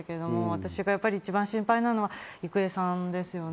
私が一番心配なのは郁恵さんです。